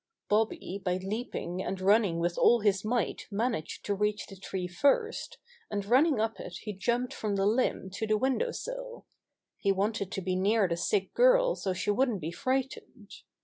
Bobby by leaping and running with all his might managed to reach the tree first, and running up it he jumped from the limb to the 65 66 Bobby Gray Squirrel's Adventures window sill. He wanted to be near the sick girl so she wouldn't be frightened.